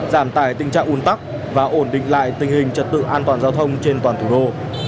giảm tải tình trạng un tắc và ổn định lại tình hình trật tự an toàn giao thông trên toàn thủ đô